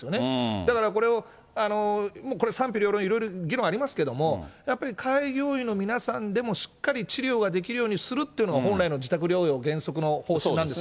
だからこれを、これ賛否両論、いろいろ議論ありますけども、やっぱり開業医の皆さんでも、しっかり治療ができるようにするっていうのが本来の自宅療養原則の方針なんです。